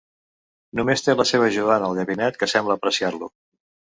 Només té la seva ajudant al gabinet que sembla apreciar-lo.